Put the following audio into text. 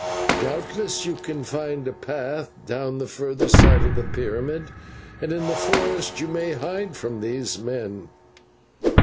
Doubtless you can find a path down the further side of the pyramid, and in the forest you may hide from these men."